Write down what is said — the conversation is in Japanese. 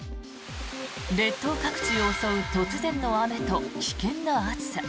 列島各地を襲う突然の雨と危険な暑さ。